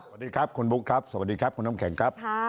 สวัสดีครับคุณบุ๊คครับสวัสดีครับคุณน้ำแข็งครับ